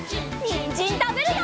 にんじんたべるよ！